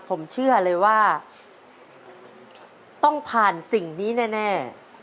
ผมเชื่อเลยว่าต้องผ่านสิ่งนี้แน่